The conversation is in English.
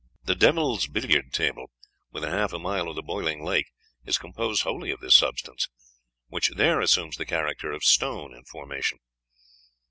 The Devil's Billiard table, within half a mile of the Boiling Lake, is composed wholly of this substance, which there assumes the character of stone in formation.